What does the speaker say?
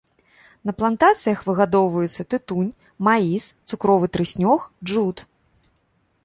На плантацыях выгадоўваюцца тытунь, маіс, цукровы трыснёг, джут.